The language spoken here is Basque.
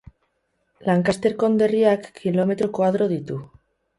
Lancaster konderriak kilometro koadro ditu.